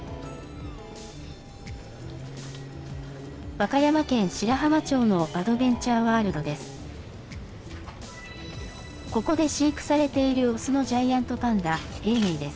和歌山県白浜町のアドベンチャーワールドです。